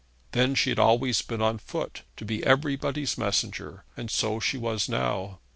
Then she had always been on foot, to be everybody's messenger, and so she was now.